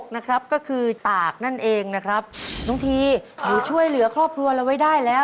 น้องทีหนูช่วยเหลือครอบครัวเราไว้ได้แล้ว